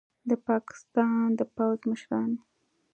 د پاکستان د پوځ مشران